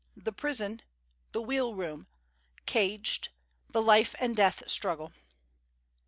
The Prison—The Wheel room—Caged _The Life and Death Struggle.